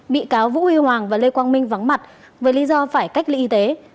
bị cáo vũ huy hoàng và lê quang minh vắng mặt với lý do phải cách ly y tế